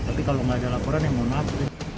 tapi kalau nggak ada laporan ya mohon maaf